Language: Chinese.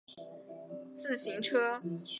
他的父亲和祖父都是职业自行车车手。